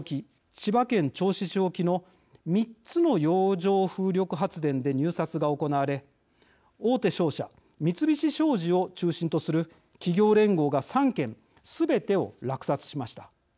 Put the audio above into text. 千葉県銚子市沖の３つの洋上風力発電で入札が行われ大手商社三菱商事を中心とする企業連合が３件すべてを落札しました。